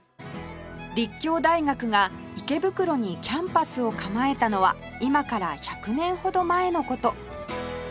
立教大学が池袋にキャンパスを構えたのは今から１００年ほど前の事